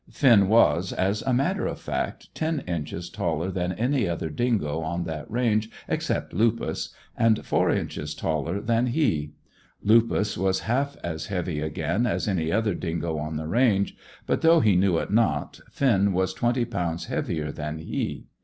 Finn was, as a matter of fact, ten inches taller than any other dingo on that range except Lupus, and four inches taller than he. Lupus was half as heavy again as any other dingo on the range, but, though he knew it not, Finn was twenty pounds heavier than he.